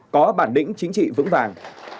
có bản đỉnh chính trị vững vàng